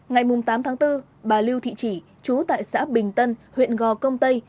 ngày tám tháng bốn bà lưu thị chỉ chú tại xã bình tân huyện gò công tây